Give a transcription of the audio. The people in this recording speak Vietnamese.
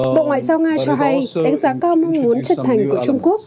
bộ ngoại giao nga cho hay đánh giá cao mong muốn chân thành của trung quốc